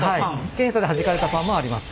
検査ではじかれたパンもあります。